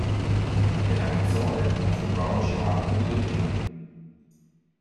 Della canzone non fu però girato un videoclip.